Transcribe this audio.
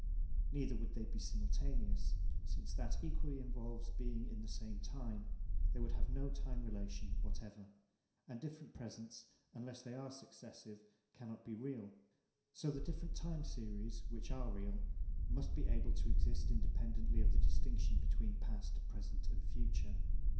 (Neither would they be simultaneous, since that equally involves being in the same time. They would have no time relation whatever.) And different presents, unless they are successive, cannot be real. So the different time series, which are real, must be able to exist independently of the distinction between past, present, and future.